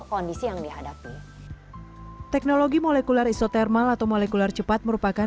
kondisi yang dihadapi teknologi molekuler isotermal atau molekuler cepat merupakan